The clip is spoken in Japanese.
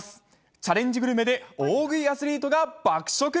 チャレンジグルメで大食いアスリートが爆食。